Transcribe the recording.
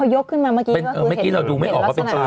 ถูวนถูวน